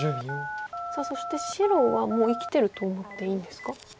そして白はもう生きてると思っていいんですか？